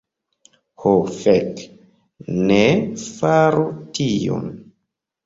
Ho fek, ne faru tion.